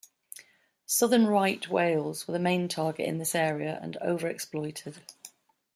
Southern right whales were the main target in this area and over expoited.